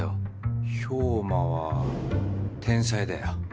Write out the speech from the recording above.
兵馬は天才だよ